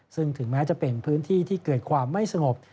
ซึ่งถึงแม้จะเป็นพื้นที่ที่เกิดความไม่สงบ